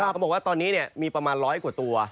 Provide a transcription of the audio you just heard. เขาบอกว่าตอนนี้มีประมาณร้อยกว่าตัว